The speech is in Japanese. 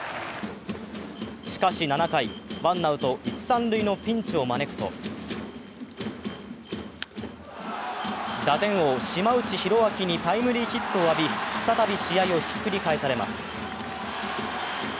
しかし７回、ワンアウト一・三塁にピンチを招くと打点王・島内宏明にタイムリーヒットを浴び、再び試合をひっくり返されます。